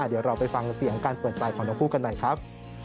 เดี๋ยวเราไปฟังเสียงการเปิดใจของทั้งคู่กันหน่อยครับ